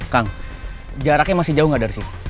kang jaraknya masih jauh nggak dari sini